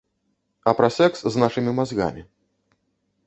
А пра сэкс з нашымі мазгамі.